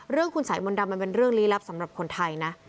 คุณสายมนต์ดำมันเป็นเรื่องลี้ลับสำหรับคนไทยนะ